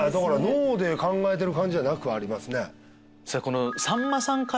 脳で考えてる感じじゃなくありますね。